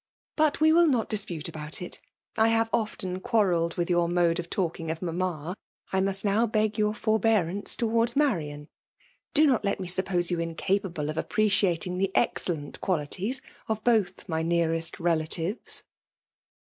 ''But ve will not diq^iite aboni it I ham often quarrelled with yonr mode of talking of manuna; I nuiat now beg your forbeatanca towards Marian. Do not let me suppose yen incapable of iq)prec]ating the excellent qualities of both my nearest relttkives."